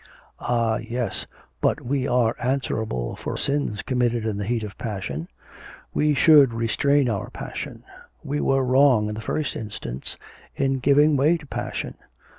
'Ah! yes, but we are answerable for sins committed in the heat of passion; we should restrain our passion; we were wrong in the first instance in giving way to passion....